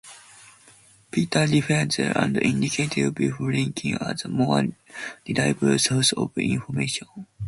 Peter refused, and indicated Biff Rifkin as a more reliable source of information.